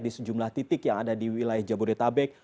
di sejumlah titik yang ada di wilayah jabodetabek